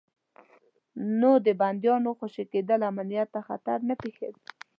نو د بندیانو خوشي کېدل امنیت ته خطر نه پېښوي.